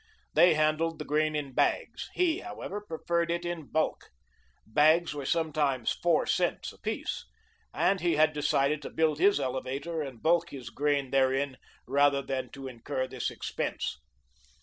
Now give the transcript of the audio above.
They handled the grain in bags; he, however, preferred it in the bulk. Bags were sometimes four cents apiece, and he had decided to build his elevator and bulk his grain therein, rather than to incur this expense.